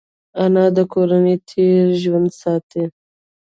انا د کورنۍ تېر ژوند ساتي